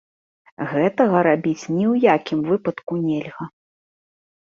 Гэтага рабіць ні ў якім выпадку нельга.